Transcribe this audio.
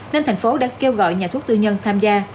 nên thành phố đã kêu gọi nhà thuốc tư nhân tham gia